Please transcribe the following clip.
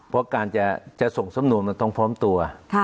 เพราะการจะส่งสำนวนมันต้องพร้อมตัว